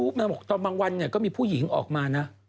เพิ่งรู้ตอนบางวันก็มีผู้หญิงออกมาน่ะ